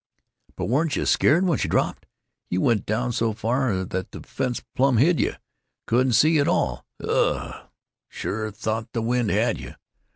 "But weren't you scared when she dropped? You went down so far that the fence plumb hid you. Couldn't see you at all. Ugh! Sure thought the wind had you.